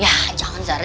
ya jangan zara